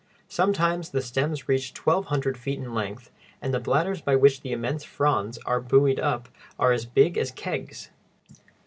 Sometimes the stems reach twelve hundred feet in length, and the bladders by which the immense fronds are buoyed up are as big as kegs.